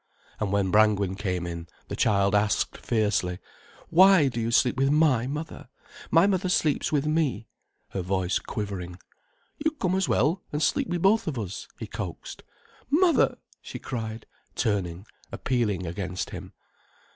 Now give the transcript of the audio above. And when Brangwen came in, the child asked fiercely: "Why do you sleep with my mother? My mother sleeps with me," her voice quivering. "You come as well, an' sleep with both of us," he coaxed. "Mother!" she cried, turning, appealing against him.